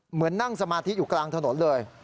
เหมือนนั่งสมาธิอยู่กลางถนนเลย